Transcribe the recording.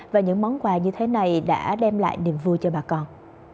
và những món quà như thế này đã đem lại niềm vui cho bà con